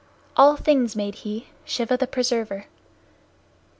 All things made he Shiva the Preserver.